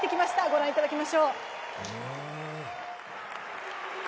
御覧いただきましょう。